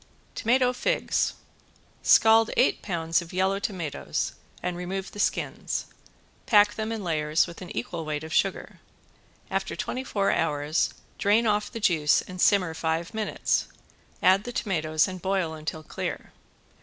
~TOMATO FIGS~ Scald eight pounds of yellow tomatoes and remove the skins. Pack them in layers with an equal weight of sugar. After twenty four hours drain off the juice and simmer five minutes, add the tomatoes and boil until clear.